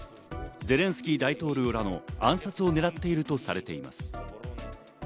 ゼレンスキー大統領らの暗殺を狙っているとされています。